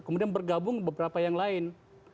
kemudian bergabung beberapa yang lain